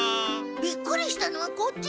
びっくりしたのはこっちです。